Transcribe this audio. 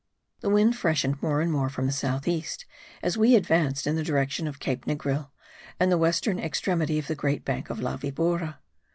The wind freshened more and more from the south east, as we advanced in the direction of Cape Negril and the western extremity of the great bank of La Vibora.